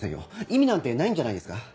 意味なんてないんじゃないですか？